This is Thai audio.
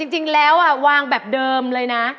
จริงแล้ววางแบบเดิมเลยนะ